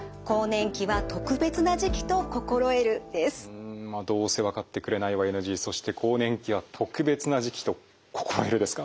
うん「どうせ分かってくれないはＮＧ」そして「更年期は特別な時期と心得る」ですか。